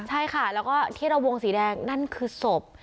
ใช่ค่ะแล้วก็ที่เราวงสีแดงนั่นคือศพ